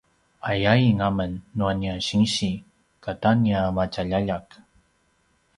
ayain amen nua nia sinsi kata nia matjaljaljak